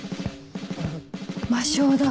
魔性だ